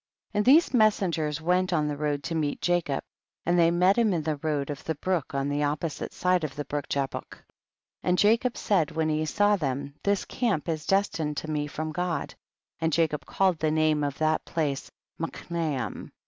72. And these messengers went on the road to meet Jacob, and they met liim in the road of the brook on the opposite side of the brook Jabuk, and Jacob said when he saw them, this camp is destined to me from God, and Jacob called the name of that place Machnayim.